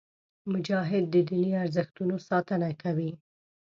مجاهد د دیني ارزښتونو ساتنه کوي.